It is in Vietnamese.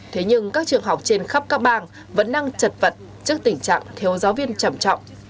thế nhưng các trường học trên khắp các bang vẫn đang chật vật trước tình trạng thiếu giáo viên trầm trọng